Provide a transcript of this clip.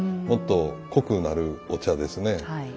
もっと濃くなるお茶ですね。